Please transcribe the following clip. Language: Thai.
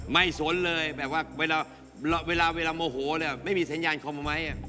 ไม่สนเลยแบบว่าเวลาโหมโหไม่มีสัญญาณความหมาย